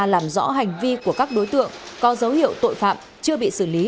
làm rõ hành vi của các đối tượng có dấu hiệu tội phạm chưa bị xử lý